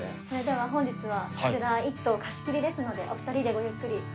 それでは本日はこちら一棟貸し切りですのでお二人でごゆっくり。